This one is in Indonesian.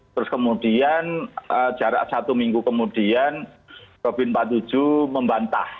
terus kemudian jarak satu minggu kemudian robin empat puluh tujuh membantah